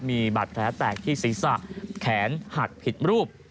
มีบาดแผลแตกที่ศีรษะแขนหักผิดรูป